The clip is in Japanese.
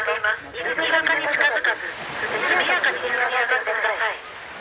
イルカに近づかず、速やかに陸に上がってください。